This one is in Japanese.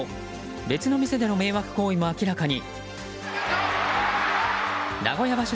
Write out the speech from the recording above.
別の店での迷惑行為も明らかに。